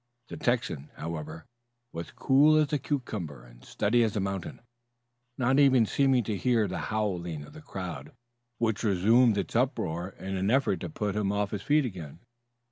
The Texan, however, was cool as a cucumber and steady as a mountain, not even seeming to hear the howling of the crowd, which resumed its uproar in an effort to put him off his feet again.